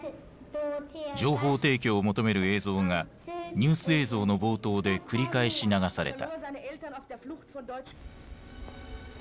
情報提供を求める映像がニュース映像の冒頭で繰り返し流された。